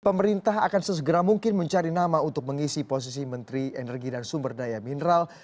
pemerintah akan sesegera mungkin mencari nama untuk mengisi posisi menteri energi dan sumber daya mineral